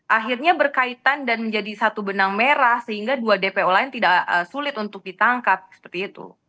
akhirnya berkaitan dan menjadi satu benang merah sehingga dua dpo lain tidak sulit untuk ditangkap seperti itu